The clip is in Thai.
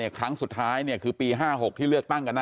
ครั้งสุดท้ายคือปี๕๖ที่เลือกตั้งกันนะ